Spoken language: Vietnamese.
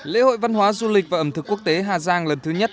lễ hội văn hóa du lịch và ẩm thực quốc tế hà giang lần thứ nhất